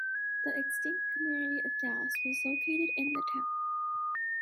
The extinct community of Dallas was located in the town.